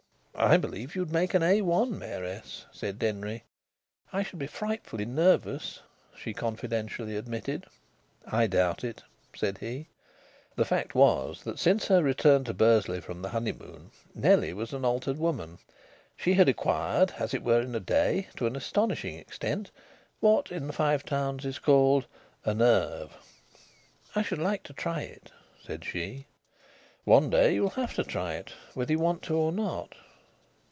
"I believe you'd make an A1 mayoress," said Denry. "I should be frightfully nervous," she confidentially admitted. "I doubt it," said he. The fact was, that since her return to Bursley from the honeymoon, Nellie was an altered woman. She had acquired, as it were in a day, to an astonishing extent, what in the Five Towns is called "a nerve." "I should like to try it," said she. "One day you'll have to try it, whether you want to or not."